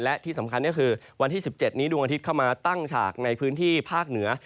และที่สำคัญก็คือวันที่๑๗นี้ดวงอาทิตย์เข้ามาตั้งฉากในพื้นที่ภาคเหนือ